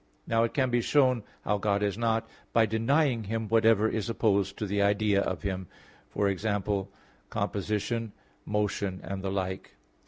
Now it can be shown how God is not, by denying Him whatever is opposed to the idea of Him, viz. composition, motion, and the like.